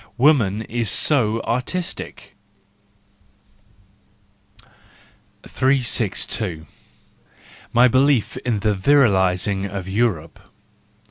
Woman is so artistic ... 362. My Belief in the Virilising of Europe